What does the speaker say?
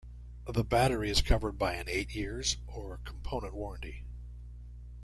The battery is covered by an eight years or component warranty.